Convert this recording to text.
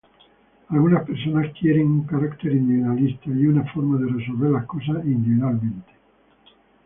Algunas personas quieren un carácter individualista y una forma de resolver las cosas individualmente.